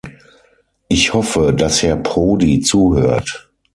Ich hoffe, dass Herr Prodi zuhört.